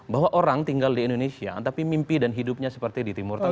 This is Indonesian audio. bahwa orang tinggal di indonesia tapi mimpi dan hidupnya seperti di timur tengah